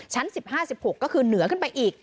๑๕๑๖ก็คือเหนือขึ้นไปอีก